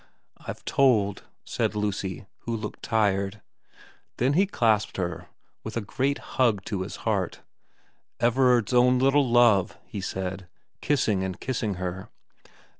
* I've told,' said Lucy, who looked tired. Then he clasped her with a great hug to his heart. ' Everard's own little love,' he said, kissing and kissing her.